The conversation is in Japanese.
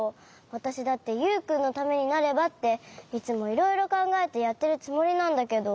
わたしだってユウくんのためになればっていつもいろいろかんがえてやってるつもりなんだけど。